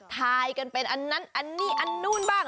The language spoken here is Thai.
ทายกันเป็นอันนั้นอันนี้อันนู้นบ้าง